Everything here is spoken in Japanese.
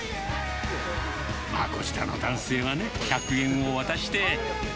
まあ、こちらの男性はね、１００円を渡して。